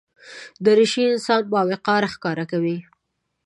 دریشي انسان باوقاره ښکاره کوي.